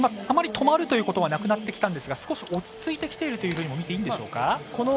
あまり止まるということはなくなってきたんですが少し落ち着いてきているというふうに見てもいいんでしょうか。